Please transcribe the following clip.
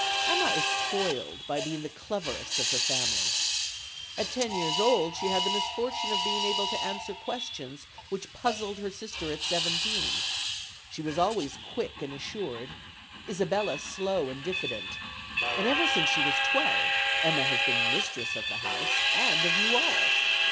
Emma is spoiled by being the cleverest of her family. At ten years old she had the misfortune of being able to answer questions which puzzled her sister at seventeen. She was always quick and assured; Isabella slow and diffident. And ever since she was twelve, Emma has been mistress of the house and of you all.